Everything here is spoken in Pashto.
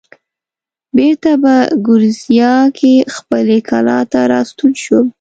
بېرته په ګوریزیا کې خپلې کلا ته راستون شوم.